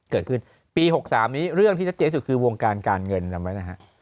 เกิดขึ้นปี๖๓นี้เรื่องที่ชัดเจนสุดคือวงการการเงินจำไว้นะฮะ